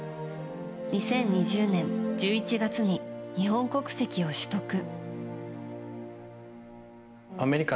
２０２０年１１月に日本国籍を取得。